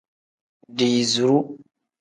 Diiziru.